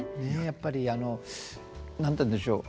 やっぱりあの何て言うんでしょう